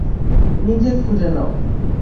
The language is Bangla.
নিজে খুজে নাও।